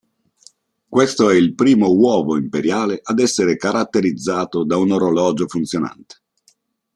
Questo è il primo uovo imperiale ad essere caratterizzato da un orologio funzionante.